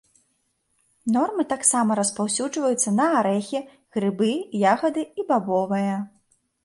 Нормы таксама распаўсюджваюцца на арэхі, грыбы, ягады і бабовыя.